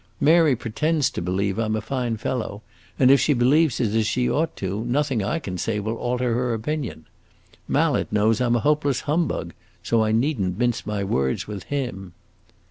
"Mary pretends to believe I 'm a fine fellow, and if she believes it as she ought to, nothing I can say will alter her opinion. Mallet knows I 'm a hopeless humbug; so I need n't mince my words with him."